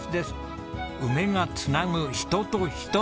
梅がつなぐ人と人。